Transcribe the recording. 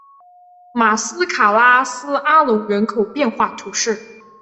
马斯卡拉斯阿龙人口变化图示